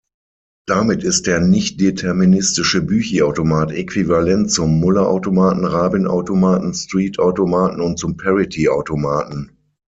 Damit ist der nichtdeterministische Büchi-Automat äquivalent zum Muller-Automaten, Rabin-Automaten, Streett-Automaten und zum Parity-Automaten.